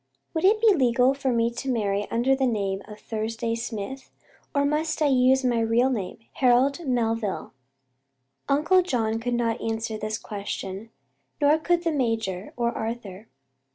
"Would it be legal for me to marry under the name of Thursday Smith, or must I use my real name Harold Melville?" Uncle John could not answer this question, nor could the major or Arthur.